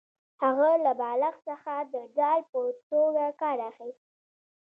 هغه له بالښت څخه د ډال په توګه کار اخیست